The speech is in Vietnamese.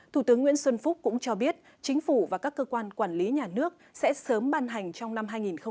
thủ tướng nguyễn xuân phúc cũng cho biết chính phủ và các cơ quan quản lý nhà nước sẽ sớm ban hành trong năm hai nghìn hai mươi